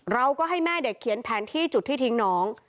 เราก็ให้แม่เด็กเขียนแผนที่จุดที่ทิ้งน้อง